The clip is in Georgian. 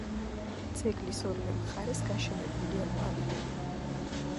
ძეგლის ორივე მხარეს გაშენებულია ყვავილები.